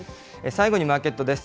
最後にマーケットです。